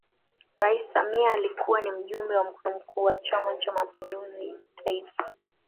Rais Samia alikuwa ni Mjumbe wa Mkutano Mkuu wa Chama Cha Mapinduzi Taifa